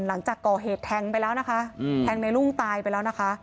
หลังจากก่อเหตุแฮงไฮน์ในรุ่งตายไปแล้ว